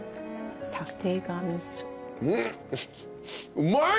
うまい！